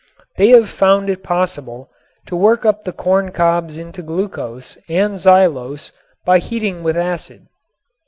They have found it possible to work up the corn cobs into glucose and xylose by heating with acid.